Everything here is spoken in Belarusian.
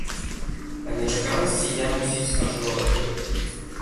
Ад нечаканасці я, мусіць, аж рот адкрыў.